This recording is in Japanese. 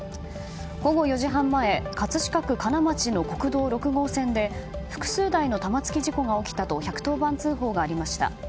午後４時半前葛飾区金町の国道６号線で複数台の玉突き事故が起きたと１１０番通報がありました。